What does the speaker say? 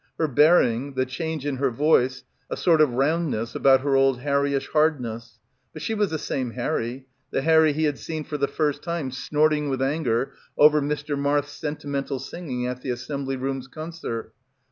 Her bearing, the change in her voice, a sort of roundness about her old Harryish hardness. But she was the same Harry, the Harry he had seen for the first time snorting with anger over Mr. Marth's sentimental singing at the Assembly Rooms concert.